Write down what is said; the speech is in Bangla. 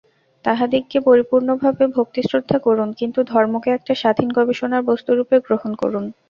তাঁহাদিগকে পরিপূর্ণভাবে ভক্তি-শ্রদ্ধা করুন, কিন্তু ধর্মকে একটা স্বাধীন গবেষণার বস্তুরূপে গ্রহণ করুন।